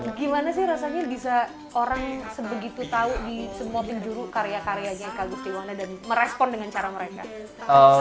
gimana sih rasanya bisa orang sebegitu tahu di semua penjuru karya karyanya eka gustiwana dan merespon dengan cara mereka